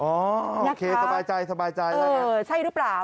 โอเคสบายใจใช่หรือเปล่า